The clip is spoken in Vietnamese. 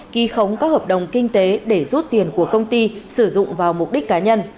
ghi khống các hợp đồng kinh tế để rút tiền của công ty sử dụng vào mục đích cá nhân